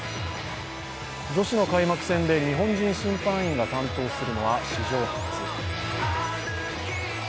女子の開幕戦で日本人審判員が担当するのは史上初。